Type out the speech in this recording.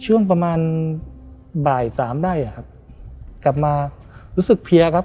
ช่วงประมาณบ่ายสามได้อ่ะครับกลับมารู้สึกเพียครับ